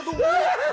aduh kakak tunggu